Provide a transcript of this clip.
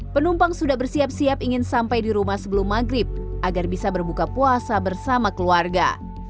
penumpang sudah bersiap siap ingin sampai di rumah sebelum maghrib agar bisa berbuka puasa bersama keluarga